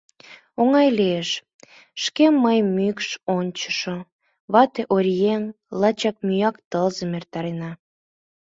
Оҥай лиеш: шке мый — мӱкш ончышо, вате — оръеҥ, лачак «мӱян тылзым» эртарена.